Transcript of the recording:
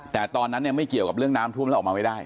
แต่ตอนนั้นเนี่ยไม่เกี่ยวกับเรื่องน้ำท่วมแล้วออกมาไม่ได้